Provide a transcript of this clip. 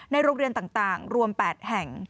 โรงเรียนต่างรวม๘แห่ง